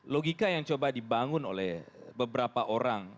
logika yang coba dibangun oleh beberapa orang